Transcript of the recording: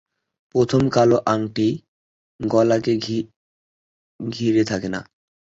প্রথম কালো আংটি গলাকে ঘিরে থাকে না।